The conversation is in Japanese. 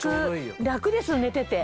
楽です寝てて。